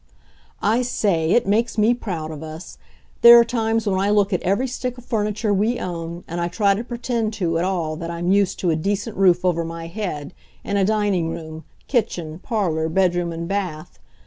I say, it makes me proud of us! There are times when I look at every stick of furniture we own, and I try to pretend to it all that I'm used to a decent roof over my head, and a dining room, kitchen, parlor, bedroom and bath.